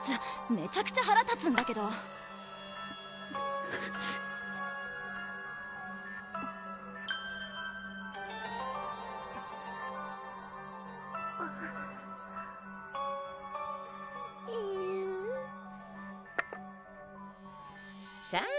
めちゃくちゃ腹立つんだけどえるぅさぁ